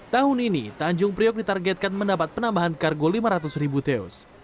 tahun ini tanjung priok ditargetkan mendapat penambahan kargo lima ratus ribu teus